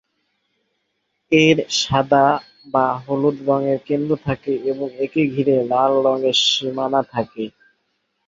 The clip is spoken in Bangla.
এর সাদা বা হলুদ রঙের কেন্দ্র থাকে এবং একে ঘিরে লাল রঙের সীমানা থাকে।